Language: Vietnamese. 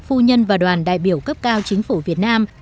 phu nhân và đoàn đại biểu cấp cao chính phủ việt nam